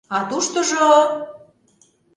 А туштыжо...